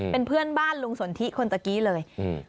เป็นเพื่อนบ้านลุงสนทิคนตะกี้เลยอืม